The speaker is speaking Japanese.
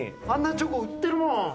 あんなチョコ売ってるもん。